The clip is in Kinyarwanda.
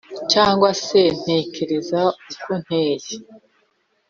Cyangwa se ntekereza uko nteye?